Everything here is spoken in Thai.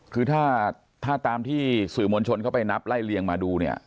คือถ้าตามที่สื่อมวลชนเข้าไปนับไล่เลียงมาดูเนี่ย